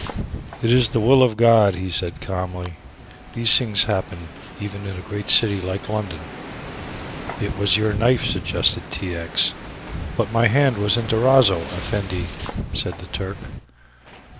"It is the will of God," he said calmly; "these things happen even in a great city like London." "It was your knife," suggested T. X. "But my hand was in Durazzo, Effendi," said the Turk.